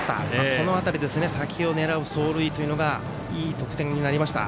この辺りで先を狙う走塁というのがいい得点になりました。